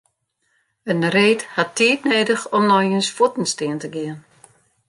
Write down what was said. In reed hat tiid nedich om nei jins fuotten stean te gean.